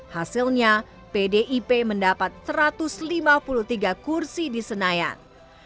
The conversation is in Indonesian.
hasilnya pdip mendapat satu ratus lima puluh tiga kursi di senayan